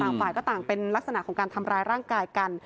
ฝ่ายก็ต่างเป็นลักษณะของการทำร้ายร่างกายกัน